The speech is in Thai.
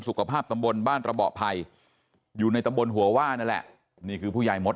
สุขภาพตำบลบ้านระเบาะภัยอยู่ในตำบลหัวว่านั่นแหละนี่คือผู้ใหญ่มด